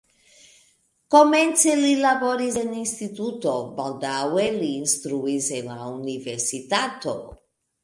Komence li laboris en instituto, baldaŭe li instruis en la universitato.